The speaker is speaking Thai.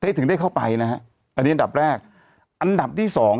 ถึงได้เข้าไปนะฮะอันนี้อันดับแรกอันดับที่สอง